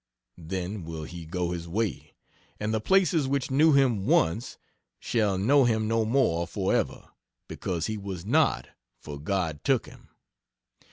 then will he go his way; and the places which knew him once shall know him no more forever, because he was not, for God took him.